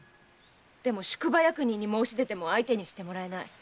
でも宿場役人に申し出ても相手にしてもらえない。